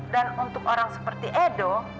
dan untuk orang seperti edo